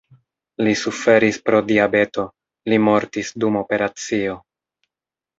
Li suferis pro diabeto, li mortis dum operacio.